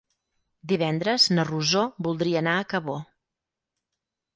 Divendres na Rosó voldria anar a Cabó.